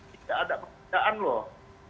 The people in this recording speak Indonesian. tidak ada perbedaan loh